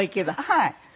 はい。